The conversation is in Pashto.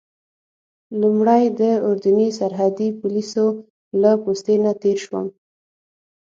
لومړی د اردني سرحدي پولیسو له پوستې نه تېر شوم.